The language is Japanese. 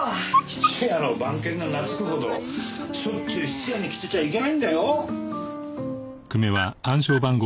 質屋の番犬が懐くほどしょっちゅう質屋に来てちゃいけないんだよ？